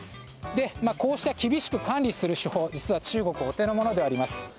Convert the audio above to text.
こうした厳しく管理する手法は中国、お手の物であります。